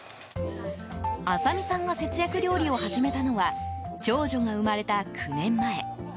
麻美さんが節約料理を始めたのは長女が生まれた９年前。